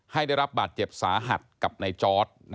ได้รับบาดเจ็บสาหัสกับนายจอร์ด